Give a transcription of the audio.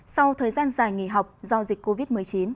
sau thời gian dài nghỉ học do dịch covid một mươi chín